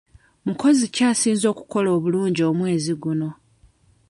Mukozi ki asinze okukola obulungi omwezi guno?